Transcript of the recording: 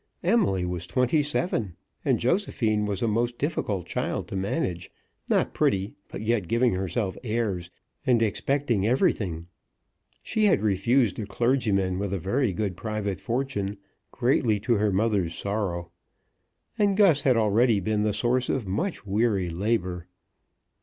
Emily was twenty seven, and Josephine was a most difficult child to manage, not pretty, but yet giving herself airs and expecting everything. She had refused a clergyman with a very good private fortune, greatly to her mother's sorrow. And Gus had already been the source of much weary labour.